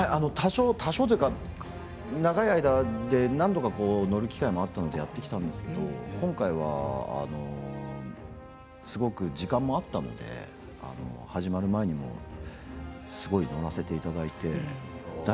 多少というか長い間で何度か乗る機会もあったんですけれど今回はすごく時間もあったので始まる前にもすごい乗らせていただいて。